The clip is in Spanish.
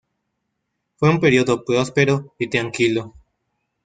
Fue un periodo próspero y tranquilo.